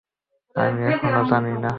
আমি এখনও জানি না।